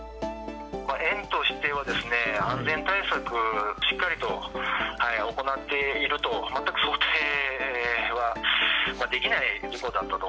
園としては、安全対策はしっかりと行っていると、全く想定はできない事故だったと。